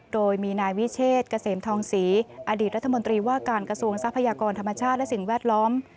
โดยมีนายวิเชษเกษมทองศรีอดีตรัฐมนตรีว่าการกระทรวงทรัพยากรธรรมชาติและสิ่งแวดล้อม